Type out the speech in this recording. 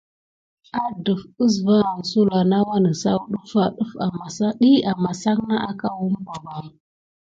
Adef əsva aŋ na sulà nà wanəsaw ɗəffa ɗiy amasan na akaw umpa ɓa.